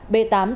b tám tân mai